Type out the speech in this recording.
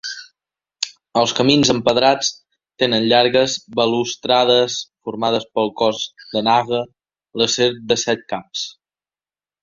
Els camins empedrats tenen llargues balustrades formades pel cos de Naga, la serp de set caps.